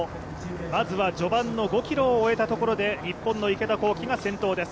まずは序盤の５ｋｍを終えたところで日本の池田向希が先頭です。